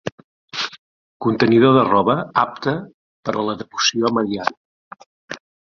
Contenidor de roba apta per a la devoció mariana.